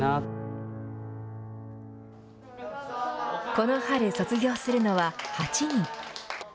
この春、卒業するのは８人。